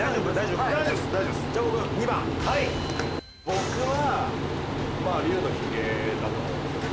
僕はまあ龍のひげだと思うんですよね。